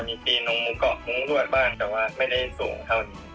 อันนี้ปีนมุมเกาะมุมรวดบ้างแต่ว่าไม่ได้สูงเท่านี้